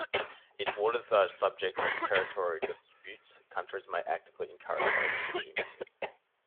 In waters that are the subject of territorial disputes, countries may actively encourage overfishing.